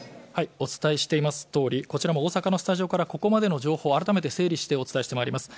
こちらも大阪のスタジオからここまでの情報を改めて整理してお伝えしてまいります。